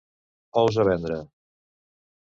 Ous a vendre.